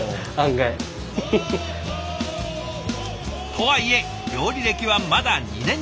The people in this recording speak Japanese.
とはいえ料理歴はまだ２年弱。